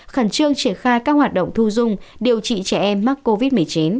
khẩn trương triển khai các hoạt động thu dung điều trị trẻ em mắc covid một mươi chín